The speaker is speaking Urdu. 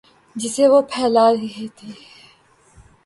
جسے وہ پھیلا رہے تھے۔